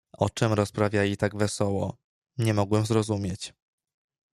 "O czem rozprawiali tak wesoło, nie mogłem zrozumieć."